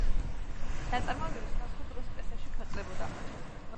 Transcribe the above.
ნაწარმოებები სხვადასხვა დროს პრესაში ქვეყნდებოდა.